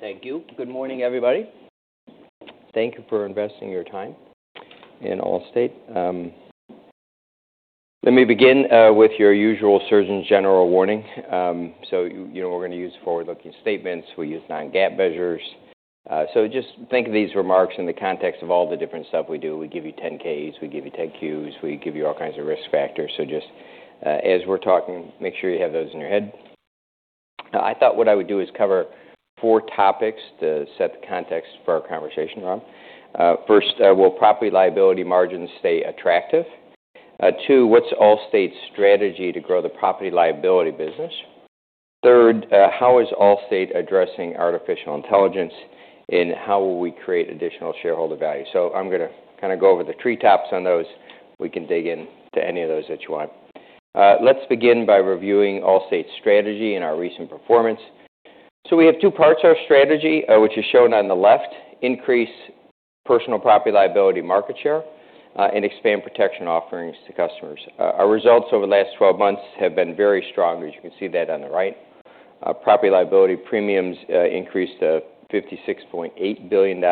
Thank you. Good morning, everybody. Thank you for investing your time in Allstate. Let me begin with your usual Surgeon General's warning, so we're going to use forward-looking statements. We use non-GAAP measures, so just think of these remarks in the context of all the different stuff we do. We give you 10-Ks. We give you 10-Qs. We give you all kinds of risk factors, so just as we're talking, make sure you have those in your head. I thought what I would do is cover four topics to set the context for our conversation, Rob. First, will property liability margins stay attractive? Two, what's Allstate's strategy to grow the property liability business? Third, how is Allstate addressing artificial intelligence, and how will we create additional shareholder value, so I'm going to kind of go over the treetops on those. We can dig into any of those that you want. Let's begin by reviewing Allstate's strategy and our recent performance. So we have two parts to our strategy, which is shown on the left: increase personal property liability market share and expand protection offerings to customers. Our results over the last 12 months have been very strong, as you can see that on the right. Property liability premiums increased to $56.8 billion,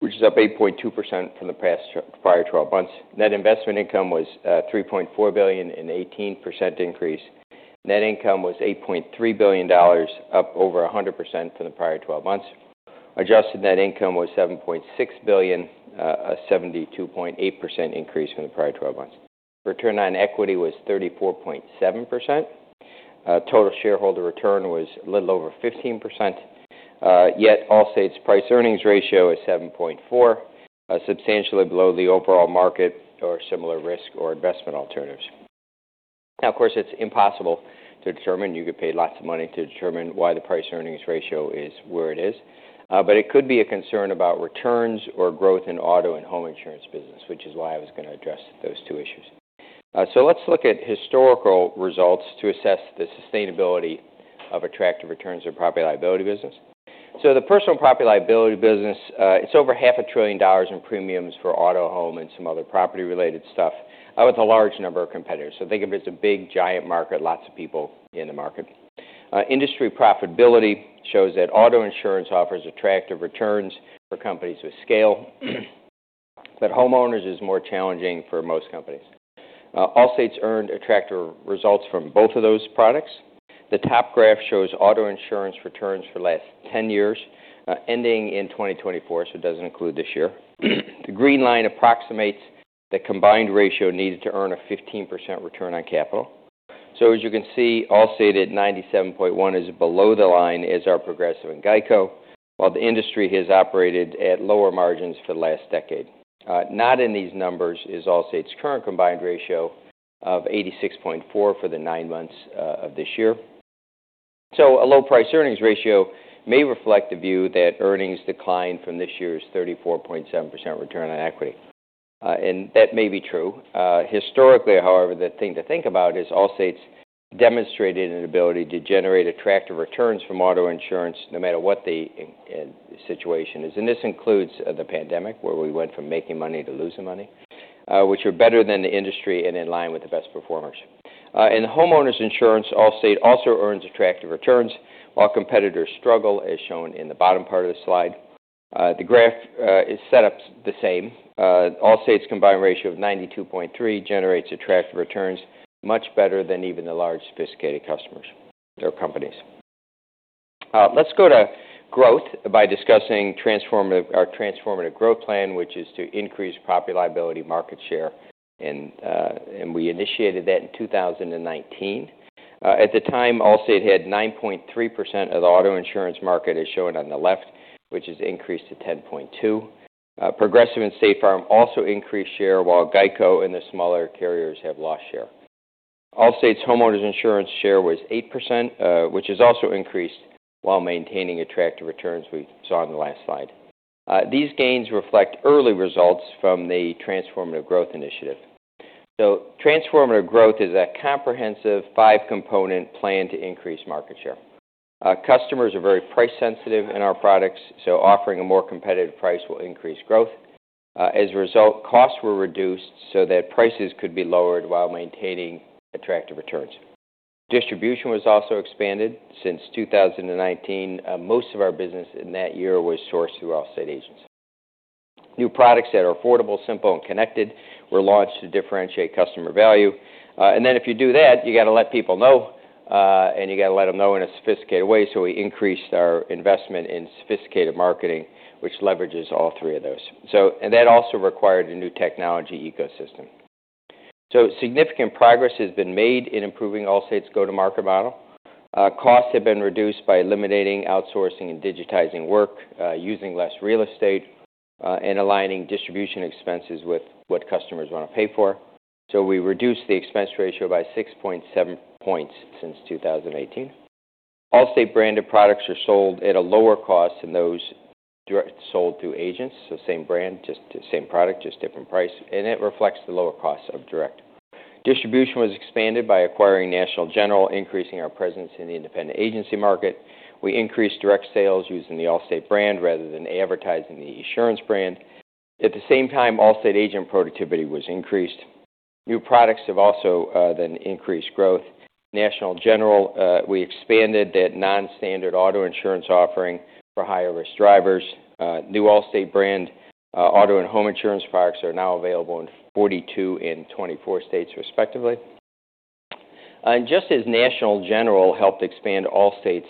which is up 8.2% from the prior 12 months. Net investment income was $3.4 billion, an 18% increase. Net income was $8.3 billion, up over 100% from the prior 12 months. Adjusted net income was $7.6 billion, a 72.8% increase from the prior 12 months. Return on equity was 34.7%. Total shareholder return was a little over 15%. Yet Allstate's price-earnings ratio is 7.4, substantially below the overall market or similar risk or investment alternatives. Now, of course, it's impossible to determine. You could pay lots of money to determine why the price-earnings ratio is where it is. But it could be a concern about returns or growth in auto and home insurance business, which is why I was going to address those two issues. So let's look at historical results to assess the sustainability of attractive returns in the property liability business. So the personal property liability business, it's over $500 billion in premiums for auto, home, and some other property-related stuff with a large number of competitors. So think of it as a big, giant market, lots of people in the market. Industry profitability shows that auto insurance offers attractive returns for companies with scale, but homeowners is more challenging for most companies. Allstate's earned attractive results from both of those products. The top graph shows auto insurance returns for the last 10 years, ending in 2024, so it doesn't include this year. The green line approximates the combined ratio needed to earn a 15% return on capital, so as you can see, Allstate at 97.1 is below the line as are Progressive and GEICO, while the industry has operated at lower margins for the last decade. Not in these numbers is Allstate's current combined ratio of 86.4 for the nine months of this year, so a low price-earnings ratio may reflect the view that earnings decline from this year's 34.7% return on equity, and that may be true. Historically, however, the thing to think about is Allstate's demonstrated an ability to generate attractive returns from auto insurance no matter what the situation is. And this includes the pandemic, where we went from making money to losing money, which are better than the industry and in line with the best performers. In homeowners insurance, Allstate also earns attractive returns, while competitors struggle, as shown in the bottom part of the slide. The graph is set up the same. Allstate's combined ratio of 92.3% generates attractive returns, much better than even the large sophisticated customers or companies. Let's go to growth by discussing our transformative growth plan, which is to increase property liability market share. And we initiated that in 2019. At the time, Allstate had 9.3% of the auto insurance market, as shown on the left, which has increased to 10.2%. Progressive and State Farm also increased share, while GEICO and the smaller carriers have lost share. Allstate's homeowners insurance share was 8%, which has also increased while maintaining attractive returns we saw on the last slide. These gains reflect early results from the transformative growth initiative, so transformative growth is a comprehensive five-component plan to increase market share. Customers are very price-sensitive in our products, so offering a more competitive price will increase growth. As a result, costs were reduced so that prices could be lowered while maintaining attractive returns. Distribution was also expanded. Since 2019, most of our business in that year was sourced through Allstate agents. New products that are affordable, simple, and connected were launched to differentiate customer value, and then if you do that, you got to let people know, and you got to let them know in a sophisticated way, so we increased our investment in sophisticated marketing, which leverages all three of those. And that also required a new technology ecosystem. So significant progress has been made in improving Allstate's go-to-market model. Costs have been reduced by eliminating outsourcing and digitizing work, using less real estate, and aligning distribution expenses with what customers want to pay for. So we reduced the expense ratio by 6.7 points since 2018. Allstate branded products are sold at a lower cost than those sold through agents, so same brand, just the same product, just different price. And it reflects the lower cost of direct. Distribution was expanded by acquiring National General, increasing our presence in the independent agency market. We increased direct sales using the Allstate brand rather than advertising the insurance brand. At the same time, Allstate agent productivity was increased. New products have also then increased growth. National General, we expanded that non-standard auto insurance offering for higher-risk drivers. New Allstate brand auto and home insurance products are now available in 42 and 24 states, respectively. And just as National General helped expand Allstate's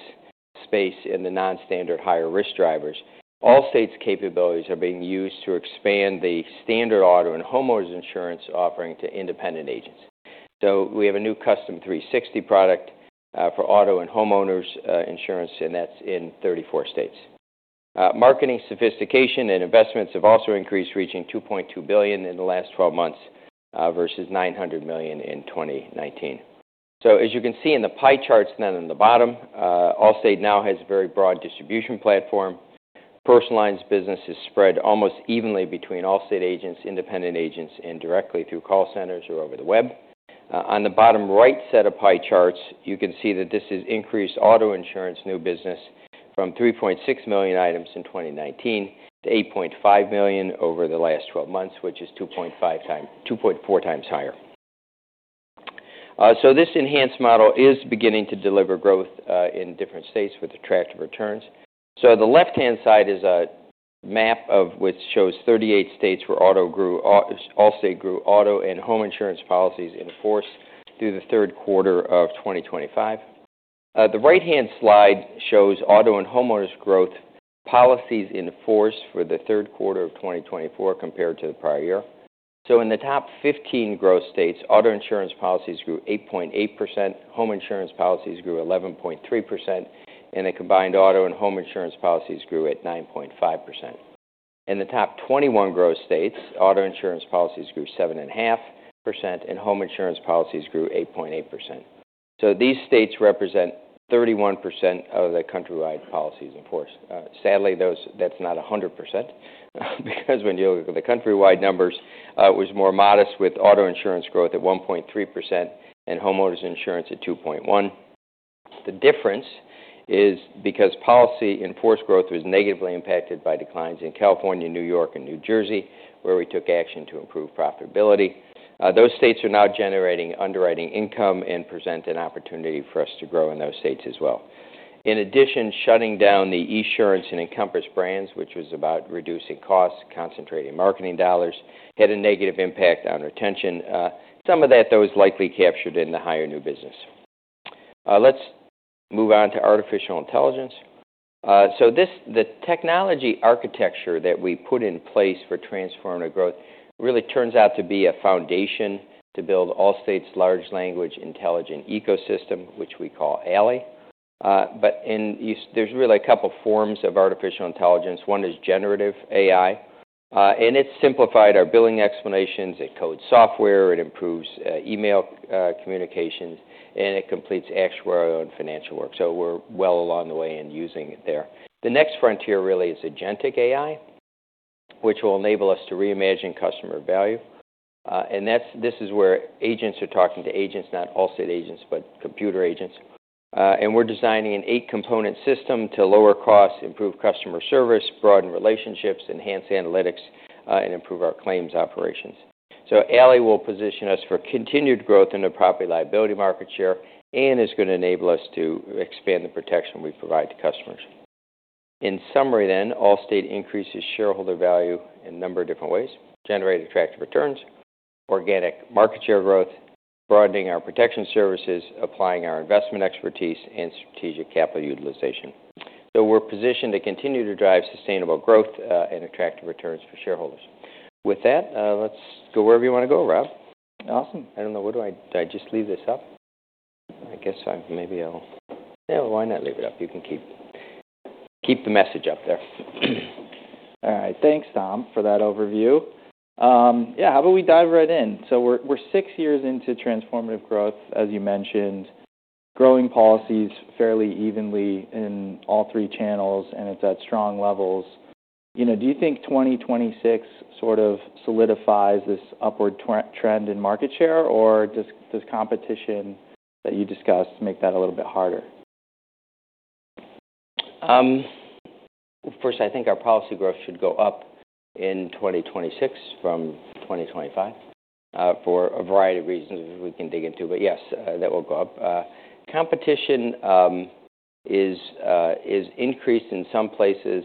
space in the non-standard higher-risk drivers, Allstate's capabilities are being used to expand the standard auto and homeowners insurance offering to independent agents. So we have a new custom 360 product for auto and homeowners insurance, and that's in 34 states. Marketing sophistication and investments have also increased, reaching $2.2 billion in the last 12 months versus $900 million in 2019. So as you can see in the pie charts down on the bottom, Allstate now has a very broad distribution platform. Personalized business is spread almost evenly between Allstate agents, independent agents, and directly through call centers or over the web. On the bottom right set of pie charts, you can see that this has increased auto insurance new business from 3.6 million items in 2019 to 8.5 million over the last 12 months, which is 2.4 times higher, so this enhanced model is beginning to deliver growth in different states with attractive returns, so the left-hand side is a map which shows 38 states where Allstate grew auto and home insurance policies in force through the third quarter of 2025. The right-hand side shows auto and homeowners growth policies in force for the third quarter of 2024 compared to the prior year, so in the top 15 growth states, auto insurance policies grew 8.8%, home insurance policies grew 11.3%, and the combined auto and home insurance policies grew at 9.5%. In the top 21 growth states, auto insurance policies grew 7.5%, and home insurance policies grew 8.8%. So these states represent 31% of the countrywide policies in force. Sadly, that's not 100% because when you look at the countrywide numbers, it was more modest with auto insurance growth at 1.3% and homeowners insurance at 2.1%. The difference is because policies in force growth was negatively impacted by declines in California, New York, and New Jersey, where we took action to improve profitability. Those states are now generating underwriting income and present an opportunity for us to grow in those states as well. In addition, shutting down the Esurance and Encompass brands, which was about reducing costs, concentrating marketing dollars, had a negative impact on retention. Some of that, though, is likely captured in the higher new business. Let's move on to artificial intelligence. So the technology architecture that we put in place for transformative growth really turns out to be a foundation to build Allstate's large language intelligence ecosystem, which we call ALI. But there's really a couple of forms of artificial intelligence. One is generative AI, and it's simplified our billing explanations. It codes software. It improves email communications, and it completes actuarial and financial work. So we're well along the way in using it there. The next frontier really is agentic AI, which will enable us to reimagine customer value. And this is where agents are talking to agents, not Allstate agents, but computer agents. And we're designing an eight-component system to lower costs, improve customer service, broaden relationships, enhance analytics, and improve our claims operations. So ALI will position us for continued growth in the property liability market share and is going to enable us to expand the protection we provide to customers. In summary then, Allstate increases shareholder value in a number of different ways: generate attractive returns, organic market share growth, broadening our protection services, applying our investment expertise, and strategic capital utilization. So we're positioned to continue to drive sustainable growth and attractive returns for shareholders. With that, let's go wherever you want to go, Rob. Awesome. I don't know. What did I just leave this up? I guess maybe I'll yeah, why not leave it up? You can keep the message up there. All right. Thanks, Tom, for that overview. Yeah, how about we dive right in? So we're six years into transformative growth, as you mentioned, growing policies fairly evenly in all three channels, and it's at strong levels. Do you think 2026 sort of solidifies this upward trend in market share, or does competition that you discussed make that a little bit harder? First, I think our policy growth should go up in 2026 from 2025 for a variety of reasons we can dig into. But yes, that will go up. Competition is increased in some places,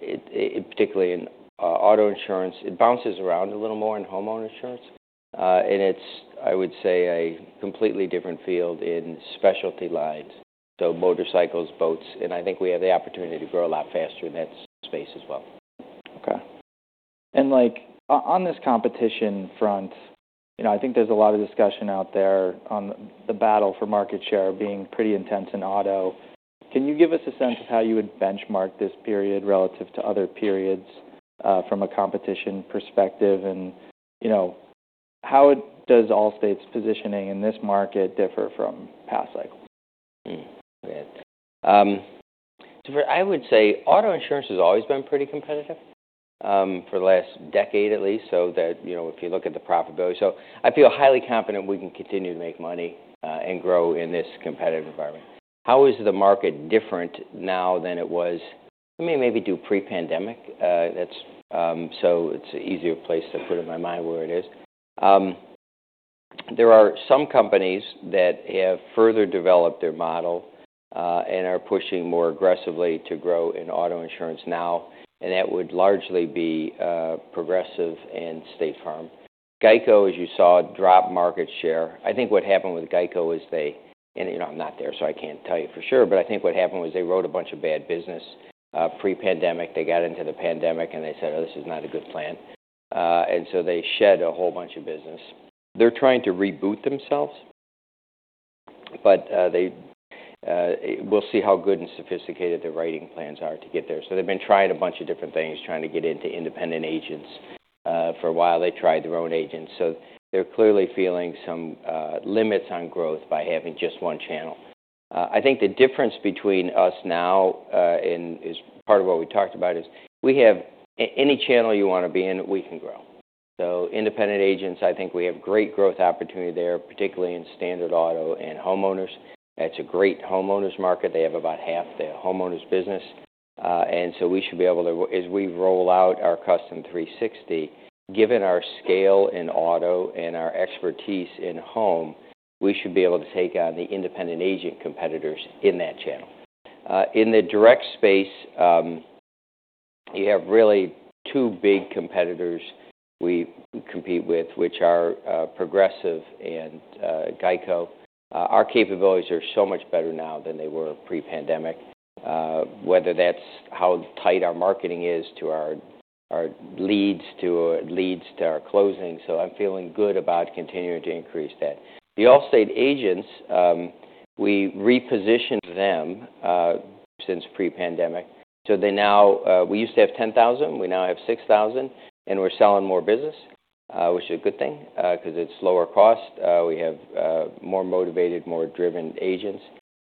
particularly in auto insurance. It bounces around a little more in homeowner insurance. And it's, I would say, a completely different field in specialty lines, so motorcycles, boats. And I think we have the opportunity to grow a lot faster in that space as well. Okay. And on this competition front, I think there's a lot of discussion out there on the battle for market share being pretty intense in auto. Can you give us a sense of how you would benchmark this period relative to other periods from a competition perspective? And how does Allstate's positioning in this market differ from past cycles? I would say auto insurance has always been pretty competitive for the last decade, at least, so that if you look at the profitability. So I feel highly confident we can continue to make money and grow in this competitive environment. How is the market different now than it was? I mean, maybe do pre-pandemic. That's so it's an easier place to put in my mind where it is. There are some companies that have further developed their model and are pushing more aggressively to grow in auto insurance now. And that would largely be Progressive and State Farm. GEICO, as you saw, dropped market share. I think what happened with GEICO is they, and I'm not there, so I can't tell you for sure. But I think what happened was they wrote a bunch of bad business pre-pandemic. They got into the pandemic, and they said, "Oh, this is not a good plan." And so they shed a whole bunch of business. They're trying to reboot themselves, but we'll see how good and sophisticated their writing plans are to get there. So they've been trying a bunch of different things, trying to get into independent agents. For a while, they tried their own agents. So they're clearly feeling some limits on growth by having just one channel. I think the difference between us now and part of what we talked about is we have any channel you want to be in, we can grow, so independent agents, I think we have great growth opportunity there, particularly in standard auto and homeowners. That's a great homeowners market. They have about half their homeowners business, and so we should be able to, as we roll out our Custom 360, given our scale in auto and our expertise in home, we should be able to take on the independent agent competitors in that channel. In the direct space, you have really two big competitors we compete with, which are Progressive and GEICO. Our capabilities are so much better now than they were pre-pandemic, whether that's how tight our marketing is to our leads, to our closings, so I'm feeling good about continuing to increase that. The Allstate agents, we repositioned them since pre-pandemic, so we used to have 10,000. We now have 6,000, and we're selling more business, which is a good thing because it's lower cost. We have more motivated, more driven agents,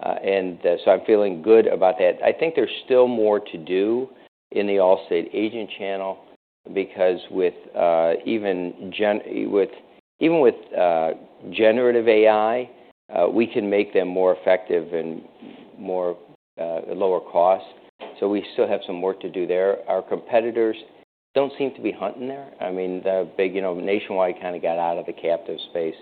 and so I'm feeling good about that. I think there's still more to do in the Allstate agent channel because even with generative AI, we can make them more effective and more lower cost, so we still have some work to do there. Our competitors don't seem to be hunting there. I mean, the big Nationwide kind of got out of the captive space.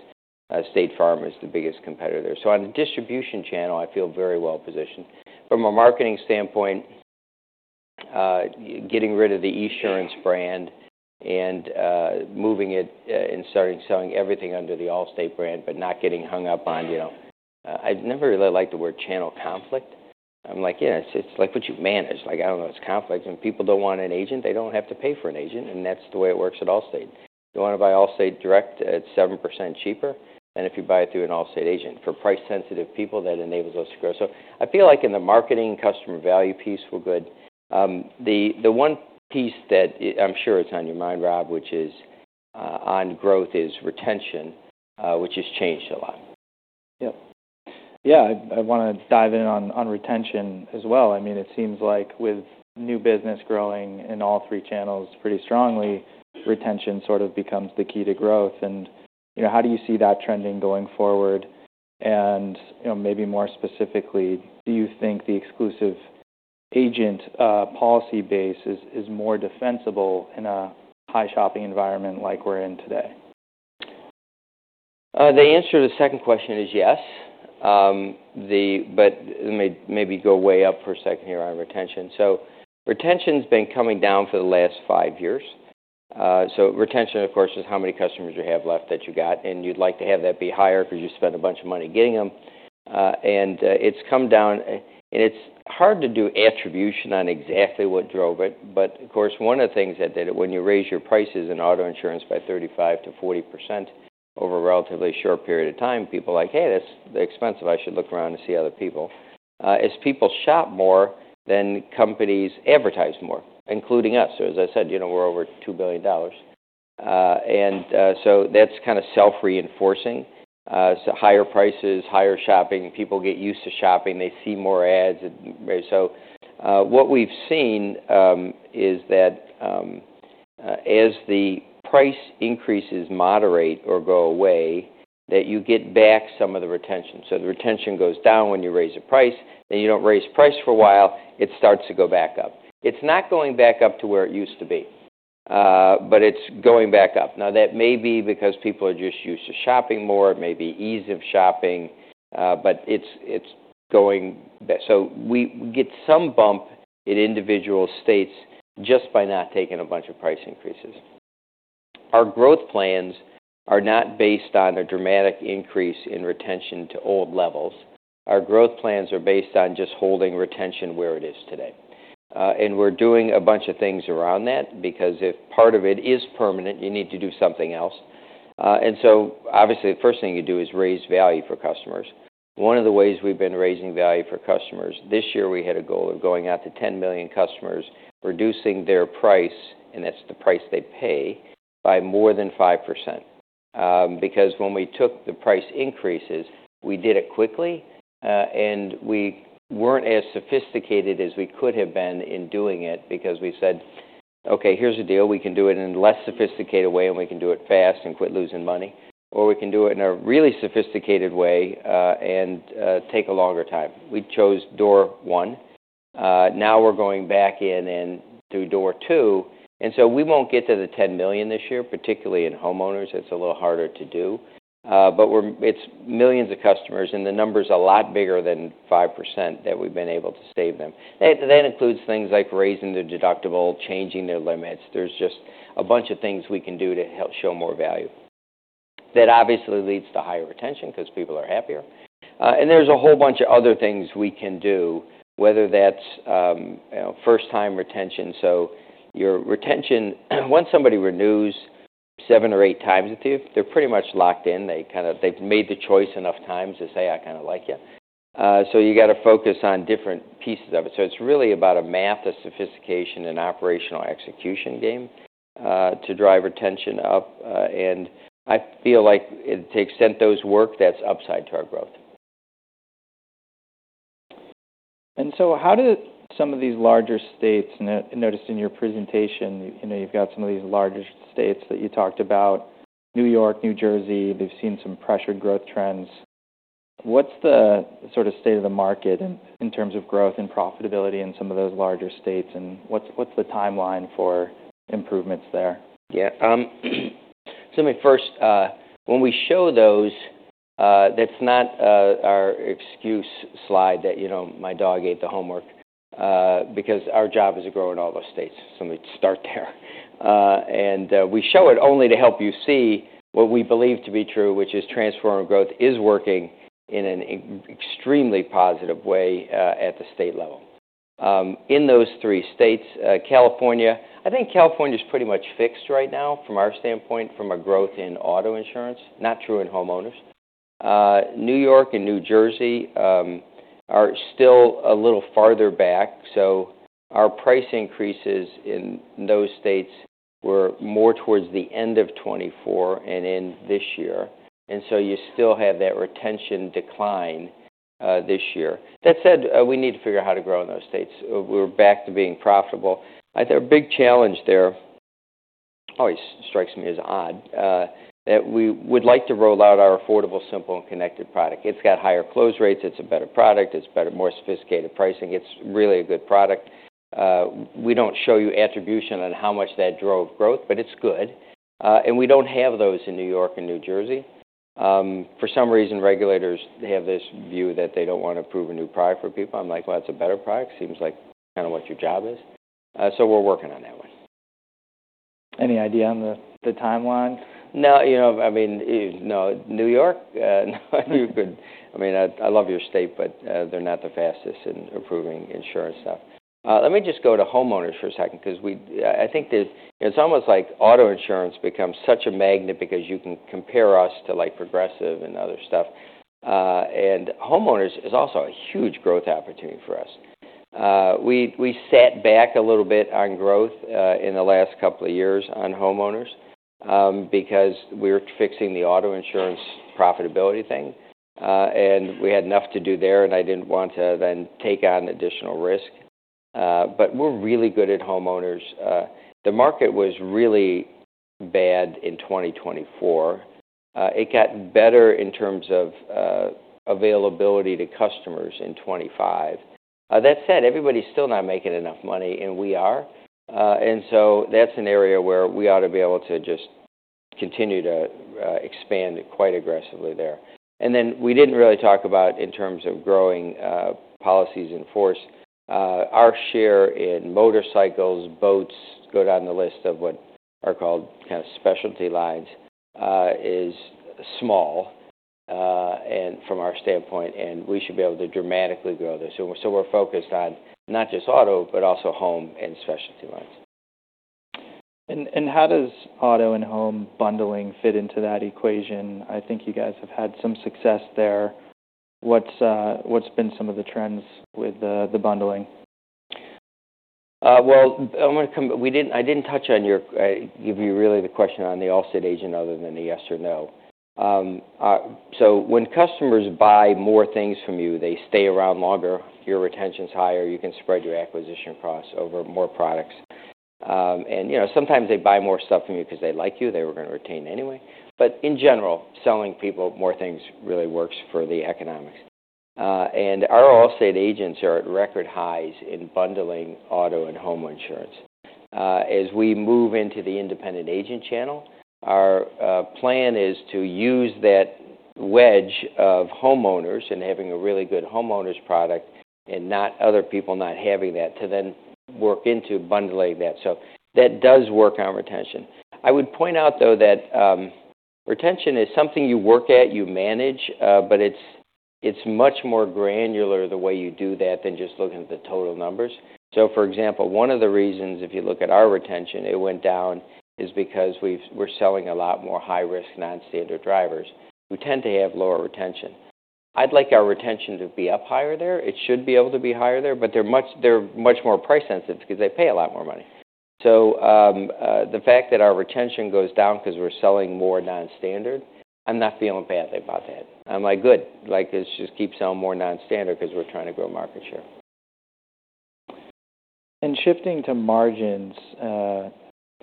State Farm is the biggest competitor there, so on the distribution channel, I feel very well positioned. From a marketing standpoint, getting rid of the Esurance brand and moving it and starting selling everything under the Allstate brand, but not getting hung up on, I never really liked the word channel conflict. I'm like, "Yeah, it's like what you've managed." I don't know. It's conflict. When people don't want an agent, they don't have to pay for an agent. And that's the way it works at Allstate. If you want to buy Allstate direct, it's 7% cheaper than if you buy it through an Allstate agent. For price-sensitive people, that enables us to grow. So I feel like in the marketing, customer value piece were good. The one piece that I'm sure it's on your mind, Rob, which is on growth, is retention, which has changed a lot. Yep. Yeah. I want to dive in on retention as well. I mean, it seems like with new business growing in all three channels pretty strongly, retention sort of becomes the key to growth. And how do you see that trending going forward? And maybe more specifically, do you think the exclusive agent policy base is more defensible in a high-shopping environment like we're in today? The answer to the second question is yes, but it may go way up for a second here on retention. So retention's been coming down for the last five years. So retention, of course, is how many customers you have left that you got. And you'd like to have that be higher because you spend a bunch of money getting them. And it's come down. And it's hard to do attribution on exactly what drove it. But of course, one of the things that did it, when you raise your prices in auto insurance by 35%-40% over a relatively short period of time, people are like, "Hey, that's expensive. I should look around and see other people," as people shop more, then companies advertise more, including us, so as I said, we're over $2 billion, and so that's kind of self-reinforcing, so higher prices, higher shopping. People get used to shopping. They see more ads, so what we've seen is that as the price increases moderate or go away, that you get back some of the retention, so the retention goes down when you raise the price, then you don't raise price for a while. It starts to go back up. It's not going back up to where it used to be, but it's going back up. Now, that may be because people are just used to shopping more. It may be ease of shopping, but it's going back. So we get some bump in individual states just by not taking a bunch of price increases. Our growth plans are not based on a dramatic increase in retention to old levels. Our growth plans are based on just holding retention where it is today. And we're doing a bunch of things around that because if part of it is permanent, you need to do something else. And so obviously, the first thing you do is raise value for customers. One of the ways we've been raising value for customers this year, we had a goal of going out to 10 million customers, reducing their price, and that's the price they pay, by more than 5%. Because when we took the price increases, we did it quickly, and we weren't as sophisticated as we could have been in doing it because we said, "Okay, here's a deal. We can do it in a less sophisticated way, and we can do it fast and quit losing money. Or we can do it in a really sophisticated way and take a longer time." We chose door one. Now we're going back in and through door two. And so we won't get to the 10 million this year, particularly in homeowners. That's a little harder to do. But it's millions of customers, and the number's a lot bigger than 5% that we've been able to save them. That includes things like raising the deductible, changing their limits. There's just a bunch of things we can do to help show more value. That obviously leads to higher retention because people are happier. And there's a whole bunch of other things we can do, whether that's first-time retention. So once somebody renews seven or eight times with you, they're pretty much locked in. They've made the choice enough times to say, "I kind of like you." So you got to focus on different pieces of it. So it's really about a math, a sophistication, and operational execution game to drive retention up. And I feel like to the extent those work, that's upside to our growth. And so how do some of these larger states noted in your presentation? You've got some of these larger states that you talked about, New York, New Jersey. They've seen some pressured growth trends. What's the sort of state of the market in terms of growth and profitability in some of those larger states? And what's the timeline for improvements there? Yeah. So when we show those, that's not our excuse slide, that my dog ate the homework because our job is to grow in all those states. So let me start there. And we show it only to help you see what we believe to be true, which is transformative growth is working in an extremely positive way at the state level. In those three states, California, I think, California's pretty much fixed right now from our standpoint from a growth in auto insurance. Not true in homeowners. New York and New Jersey are still a little farther back. So our price increases in those states were more towards the end of 2024 and in this year. And so you still have that retention decline this year. That said, we need to figure out how to grow in those states. We're back to being profitable. I think our big challenge there always strikes me as odd that we would like to roll out our affordable, simple, and connected product. It's got higher close rates. It's a better product. It's more sophisticated pricing. It's really a good product. We don't show you attribution on how much that drove growth, but it's good, and we don't have those in New York and New Jersey. For some reason, regulators have this view that they don't want to approve a new product for people. I'm like, "Well, that's a better product. Seems like kind of what your job is," so we're working on that one. Any idea on the timeline? No. I mean, no. New York, I mean, I love your state, but they're not the fastest in approving insurance stuff. Let me just go to homeowners for a second because I think it's almost like auto insurance becomes such a magnet because you can compare us to Progressive and other stuff, and homeowners is also a huge growth opportunity for us. We sat back a little bit on growth in the last couple of years on homeowners because we were fixing the auto insurance profitability thing, and we had enough to do there, and I didn't want to then take on additional risk, but we're really good at homeowners. The market was really bad in 2024. It got better in terms of availability to customers in 2025. That said, everybody's still not making enough money, and we are, and so that's an area where we ought to be able to just continue to expand quite aggressively there. And then we didn't really talk about in terms of growing policies in force. Our share in motorcycles, boats, go down the list of what are called kind of specialty lines, is small from our standpoint, and we should be able to dramatically grow those. So we're focused on not just auto, but also home and specialty lines. And how does auto and home bundling fit into that equation? I think you guys have had some success there. What's been some of the trends with the bundling? Well, I didn't touch on your give you really the question on the Allstate agent other than a yes or no. So when customers buy more things from you, they stay around longer. Your retention's higher. You can spread your acquisition costs over more products. And sometimes they buy more stuff from you because they like you. They were going to retain anyway. But in general, selling people more things really works for the economics. And our Allstate agents are at record highs in bundling auto and home insurance. As we move into the independent agent channel, our plan is to use that wedge of homeowners and having a really good homeowners product and not other people not having that to then work into bundling that. So that does work on retention. I would point out, though, that retention is something you work at, you manage, but it's much more granular the way you do that than just looking at the total numbers. So for example, one of the reasons if you look at our retention, it went down is because we're selling a lot more high-risk non-standard drivers who tend to have lower retention. I'd like our retention to be up higher there. It should be able to be higher there, but they're much more price-sensitive because they pay a lot more money, so the fact that our retention goes down because we're selling more non-standard, I'm not feeling badly about that. I'm like, "Good. Let's just keep selling more non-standard because we're trying to grow market share. And shifting to margins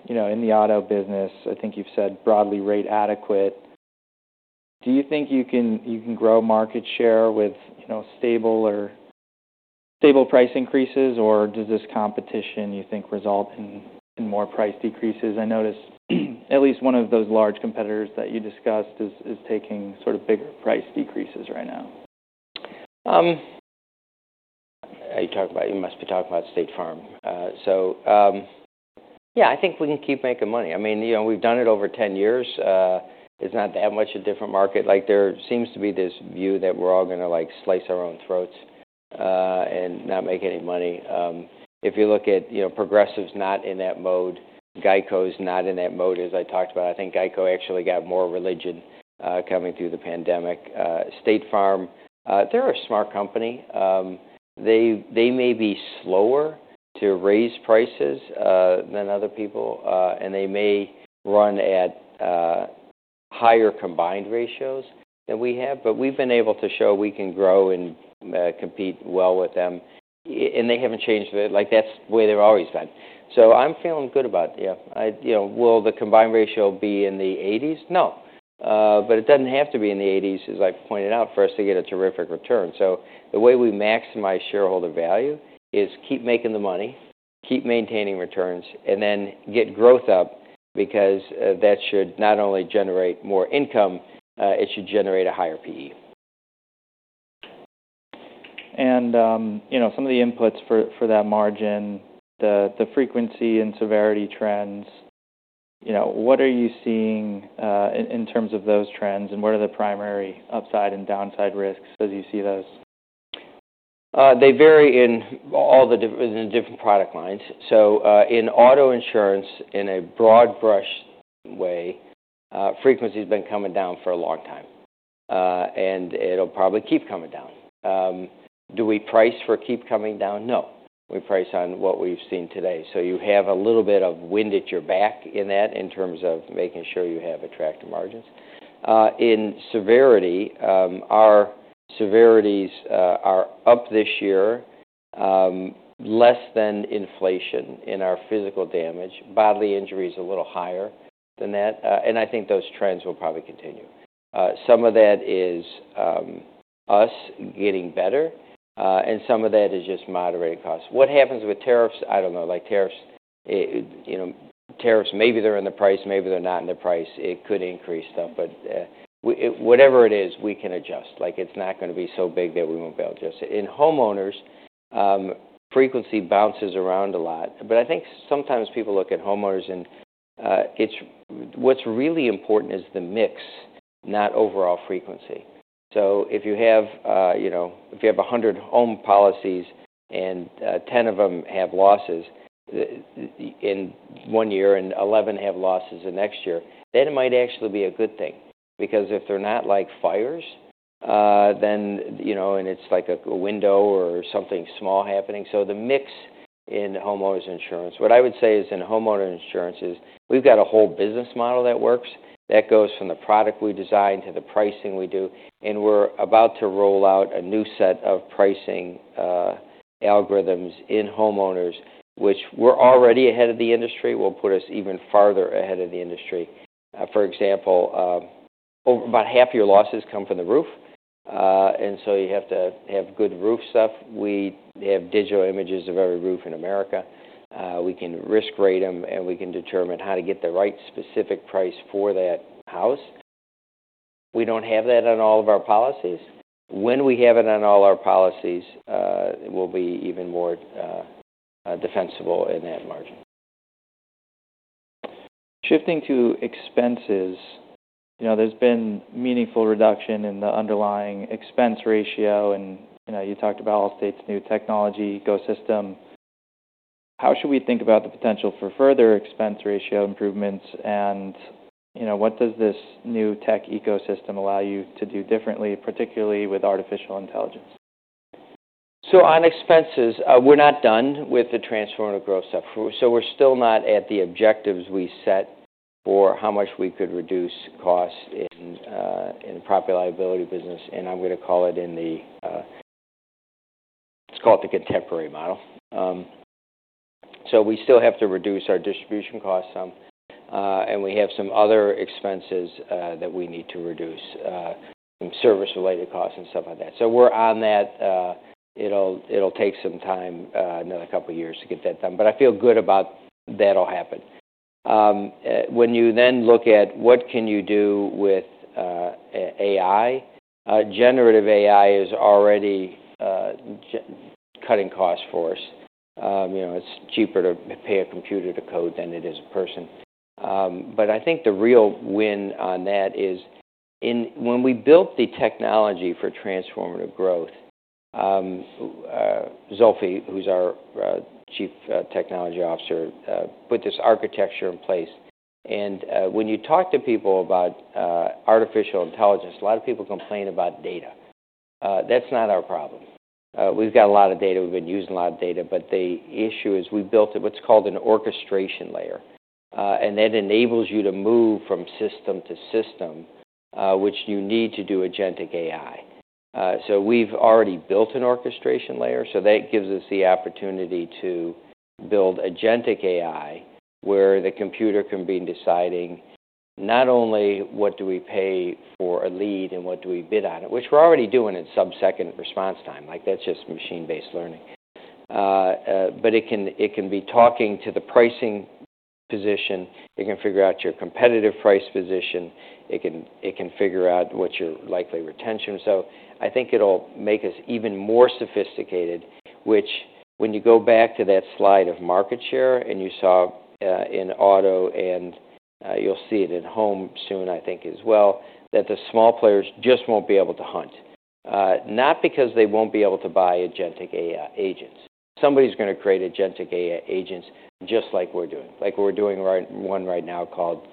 in the auto business, I think you've said broadly rate adequate. Do you think you can grow market share with stable price increases, or does this competition, you think, result in more price decreases? I noticed at least one of those large competitors that you discussed is taking sort of bigger price decreases right now. You must be talking about State Farm, so yeah, I think we can keep making money. I mean, we've done it over 10 years. It's not that much a different market. There seems to be this view that we're all going to slice our own throats and not make any money. If you look at Progressive's not in that mode, GEICO's not in that mode, as I talked about. I think GEICO actually got more religion coming through the pandemic. State Farm, they're a smart company. They may be slower to raise prices than other people, and they may run at higher combined ratios than we have, but we've been able to show we can grow and compete well with them, and they haven't changed. That's the way they've always been, so I'm feeling good about it. Yeah. Will the combined ratio be in the 80s? No, but it doesn't have to be in the 80s, as I've pointed out, for us to get a terrific return. So the way we maximize shareholder value is keep making the money, keep maintaining returns, and then get growth up because that should not only generate more income, it should generate a higher PE. And some of the inputs for that margin, the frequency and severity trends, what are you seeing in terms of those trends, and what are the primary upside and downside risks as you see those? They vary in all the different product lines. So in auto insurance, in a broad brush way, frequency has been coming down for a long time, and it'll probably keep coming down. Do we price for keep coming down? No. We price on what we've seen today. So you have a little bit of wind at your back in that in terms of making sure you have attractive margins. In severity, our severities are up this year, less than inflation in our physical damage. Bodily injury is a little higher than that. And I think those trends will probably continue. Some of that is us getting better, and some of that is just moderated costs. What happens with tariffs? I don't know. Tariffs, maybe they're in the price. Maybe they're not in the price. It could increase stuff. But whatever it is, we can adjust. It's not going to be so big that we won't be able to adjust it. In homeowners, frequency bounces around a lot. But I think sometimes people look at homeowners, and what's really important is the mix, not overall frequency. So if you have 100 home policies and 10 of them have losses in one year and 11 have losses the next year, then it might actually be a good thing. Because if they're not like fires, and it's like a window or something small happening, so the mix in homeowners insurance, what I would say is, in homeowner insurance is we've got a whole business model that works. That goes from the product we design to the pricing we do, and we're about to roll out a new set of pricing algorithms in homeowners, which we're already ahead of the industry. We'll put us even farther ahead of the industry. For example, about half your losses come from the roof, and so you have to have good roof stuff. We have digital images of every roof in America. We can risk rate them, and we can determine how to get the right specific price for that house. We don't have that on all of our policies. When we have it on all our policies, we'll be even more defensible in that margin. Shifting to expenses, there's been meaningful reduction in the underlying expense ratio. And you talked about Allstate's new technology ecosystem. How should we think about the potential for further expense ratio improvements, and what does this new tech ecosystem allow you to do differently, particularly with artificial intelligence? So on expenses, we're not done with the transformative growth stuff. So we're still not at the objectives we set for how much we could reduce costs in the property liability business. And I'm going to call it in the it's called the contemporary model. So we still have to reduce our distribution costs some. And we have some other expenses that we need to reduce, some service-related costs and stuff like that. So we're on that. It'll take some time, another couple of years, to get that done, but I feel good about that'll happen. When you then look at what can you do with AI, Generative AI is already cutting costs for us. It's cheaper to pay a computer to code than it is a person, but I think the real win on that is when we built the technology for transformative growth. Zulfi, who's our Chief Technology Officer, put this architecture in place, and when you talk to people about artificial intelligence, a lot of people complain about data. That's not our problem. We've got a lot of data. We've been using a lot of data, but the issue is we built what's called an orchestration layer, and that enables you to move from system to system, which you need to do agentic AI, so we've already built an orchestration layer. So that gives us the opportunity to build agentic AI where the computer can be deciding not only what do we pay for a lead and what do we bid on it, which we're already doing in sub-second response time. That's just machine-based learning. But it can be talking to the pricing position. It can figure out your competitive price position. It can figure out what your likely retention. So I think it'll make us even more sophisticated, which when you go back to that slide of market share and you saw in auto and you'll see it in home soon, I think, as well, that the small players just won't be able to hunt. Not because they won't be able to buy agentic AI agents. Somebody's going to create agentic AI agents just like we're doing. Like we're doing one right now called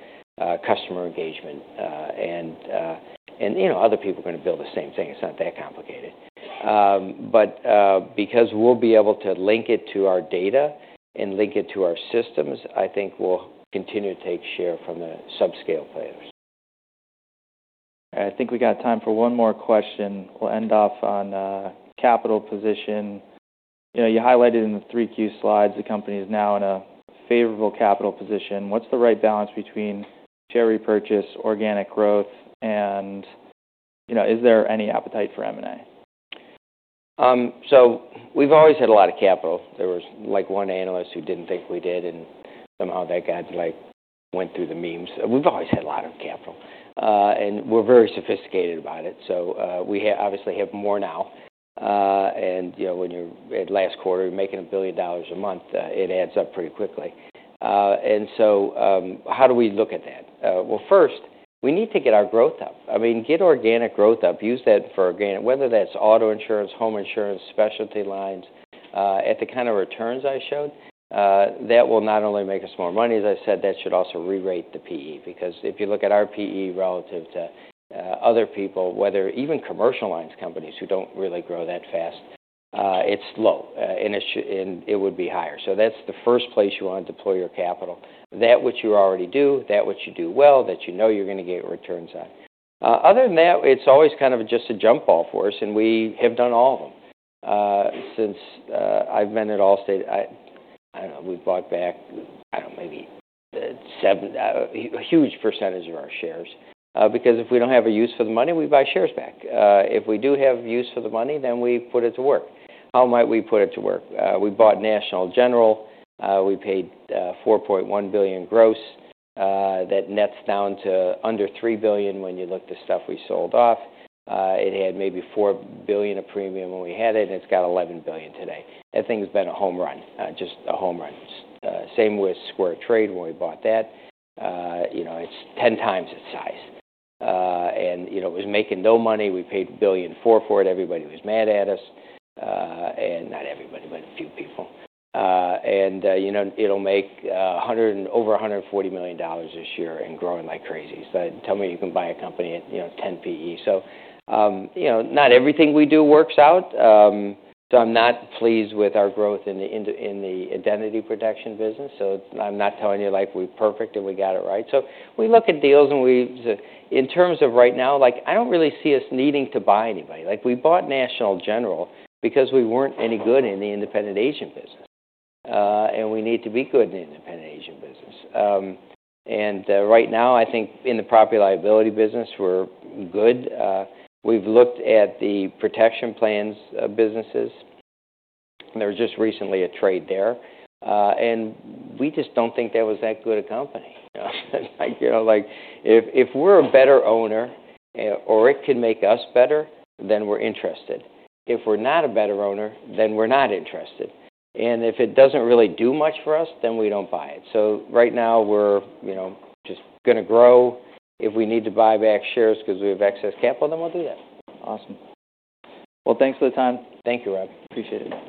customer engagement. Other people are going to build the same thing. It's not that complicated. Because we'll be able to link it to our data and link it to our systems, I think we'll continue to take share from the subscale players. I think we got time for one more question. We'll end off on capital position. You highlighted in the 3Q slides the company is now in a favorable capital position. What's the right balance between share repurchase, organic growth, and is there any appetite for M&A? We've always had a lot of capital. There was one analyst who didn't think we did, and somehow that guy went through the memes. We've always had a lot of capital. We're very sophisticated about it. We obviously have more now. When you're at last quarter, you're making $1 billion a month. It adds up pretty quickly. And so how do we look at that? Well, first, we need to get our growth up. I mean, get organic growth up. Use that for organic, whether that's auto insurance, home insurance, specialty lines. At the kind of returns I showed, that will not only make us more money. As I said, that should also re-rate the PE. Because if you look at our PE relative to other people, whether even commercial lines companies who don't really grow that fast, it's low. And it would be higher. So that's the first place you want to deploy your capital. That's what you already do, that's what you do well, that you know you're going to get returns on. Other than that, it's always kind of just a jump ball for us. And we have done all of them. Since I've been at Allstate, I don't know. We've bought back, I don't know, maybe a huge percentage of our shares. Because if we don't have a use for the money, we buy shares back. If we do have use for the money, then we put it to work. How might we put it to work? We bought National General. We paid $4.1 billion gross. That nets down to under $3 billion when you look at the stuff we sold off. It had maybe $4 billion of premium when we had it, and it's got $11 billion today. That thing's been a home run, just a home run. Same with Square Trade when we bought that. It's 10 times its size, and it was making no money. We paid $1 billion for it. Everybody was mad at us, and not everybody, but a few people, and it'll make over $140 million this year and growing like crazy. So, tell me, you can buy a company at 10 PE. So, not everything we do works out. So, I'm not pleased with our growth in the identity protection business. So, I'm not telling you we're perfect and we got it right. So, we look at deals. And, in terms of right now, I don't really see us needing to buy anybody. We bought National General because we weren't any good in the independent agent business. And we need to be good in the independent agent business. And right now, I think in the property liability business, we're good. We've looked at the protection plans businesses. There was just recently a trade there. And we just don't think that was that good a company. If we're a better owner or it can make us better, then we're interested. If we're not a better owner, then we're not interested. And if it doesn't really do much for us, then we don't buy it. So right now, we're just going to grow. If we need to buy back shares because we have excess capital, then we'll do that. Awesome. Well, thanks for the time. Thank you, Rob. Appreciate it.